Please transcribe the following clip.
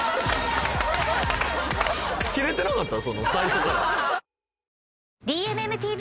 キレてなかった？